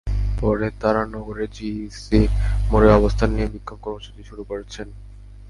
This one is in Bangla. পরে তাঁরা নগরের জিইসি মোড়ে অবস্থান নিয়ে বিক্ষোভ কর্মসূচি শুরু করেছেন।